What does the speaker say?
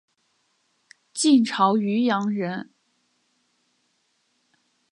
晋朝渔阳人。